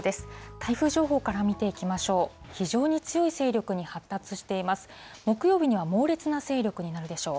台風情報から見ていきましょう。